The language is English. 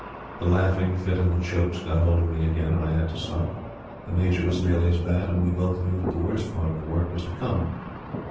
The laughing fit and the chokes got hold of me again, and I had to stop. The Major was nearly as bad; and we both knew that the worst part of the work was to come.